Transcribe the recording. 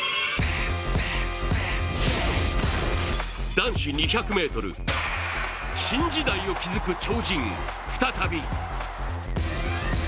男子２００ｍ、新時代を築く超人、再び。